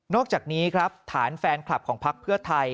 อกจากนี้ครับฐานแฟนคลับของพักเพื่อไทย